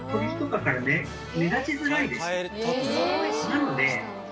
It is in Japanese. なので。